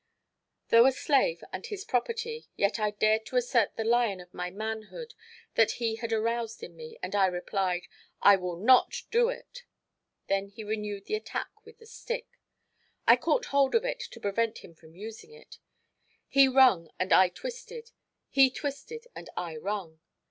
Though a slave, and his property, yet I dared to assert the lion of my manhood that he had aroused in me, and I replied, "I will not do it!" then he renewed the attack with the stick. I caught hold of it to prevent him from using it. He wrung and I twisted; he twisted and I wrung.